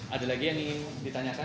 ada lagi yang ingin ditanyakan